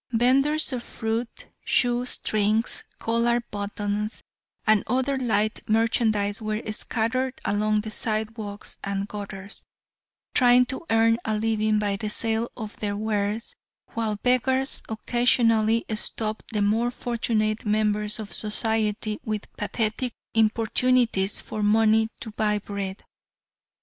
Venders of fruit, shoe strings, collar buttons, and other light merchandise were scattered along the sidewalks and gutters, trying to earn a living by the sale of their wares, while beggars occasionally stopped the more fortunate members of society with pathetic importunities for money to buy bread.